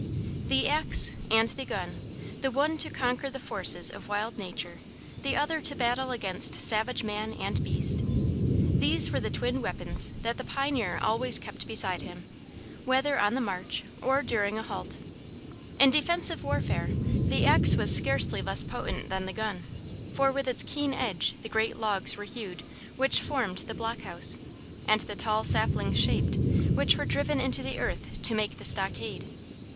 The axe and the gun, the one to conquer the forces of wild nature, the other to battle against savage man and beast these were the twin weapons that the pioneer always kept beside him, whether on the march or during a halt. In defensive warfare the axe was scarcely less potent than the gun, for with its keen edge the great logs were hewed which formed the block house, and the tall saplings shaped, which were driven into the earth to make the stockade.